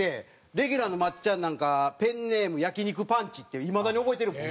レギュラーのまっちゃんなんかペンネーム「焼肉パンチ」っていまだに覚えてるもん。